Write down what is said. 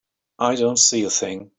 I don't see a thing.